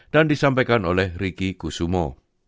dan disampaikan oleh riki kusumo